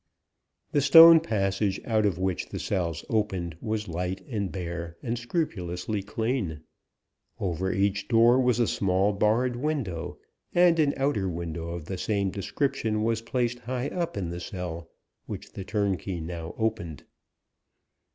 The stone passage out of which the cells opened was light, and bare, and scrupulously clean. Over each door was a small barred window, and an outer window of the same description was placed high up in the cell, which the turnkey now opened.